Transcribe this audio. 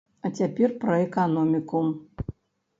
А цяпер пра эканоміку.